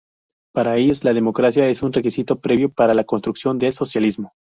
Para ellos, la democracia es un requisito previo para la construcción del socialismo.